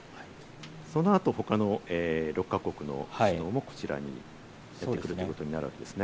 その後、他の６か国の首脳もこちらにということになるわけですね。